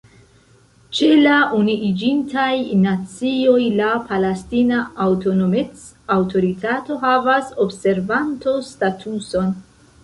Ĉe la Unuiĝintaj Nacioj la Palestina Aŭtonomec-Aŭtoritato havas observanto-statuson.